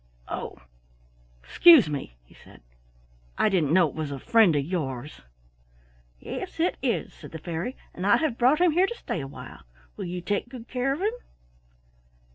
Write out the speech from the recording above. "Oh, excuse me," he said. "I didn't know it was a friend of yours." "Yes, it is," said the fairy, "and I have brought him here to stay awhile. Will you take good care of him?"